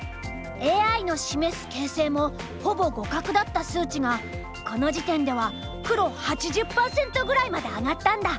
ＡＩの示す形勢もほぼ互角だった数値がこの時点では黒８０％ぐらいまで上がったんだ。